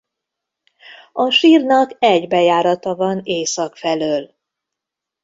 A sírnak egy bejárata van észak felől.